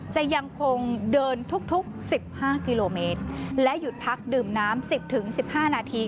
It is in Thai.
จะยังคงเดินทุกทุกสิบห้ากิโลเมตรและหยุดพักดื่มน้ำสิบถึงสิบห้านาที